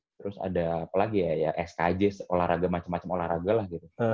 terus ada apa lagi ya skj olahraga macem macem olahraga lah gitu